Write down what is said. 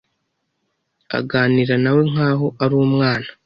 Aganira nawe nkaho ari umwana.